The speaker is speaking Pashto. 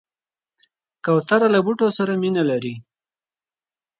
کوتره له بوټو سره مینه لري.